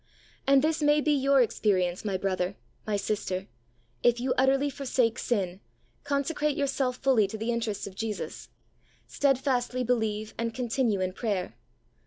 And this may be your experience, my brother, my sister, if you utterly forsake sin, consecrate yourself fully to the interests of Jesus, steadfastly believe and continue in prayer.